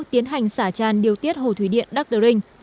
tiến hành xả tràn điều tiết hồ thủy điện đắk đô rinh